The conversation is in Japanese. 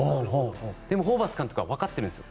でもホーバス監督はわかってるんです。